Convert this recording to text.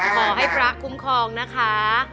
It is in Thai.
ขอให้พระคุ้มครองนะคะ